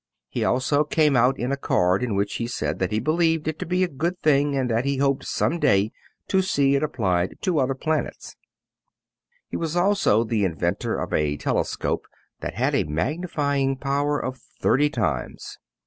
He also came out in a card in which he said that he believed it to be a good thing, and that he hoped some day to see it applied to the other planets. He was also the inventor of a telescope that had a magnifying power of thirty times.